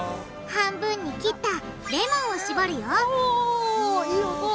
半分に切ったレモンをしぼるよいい音！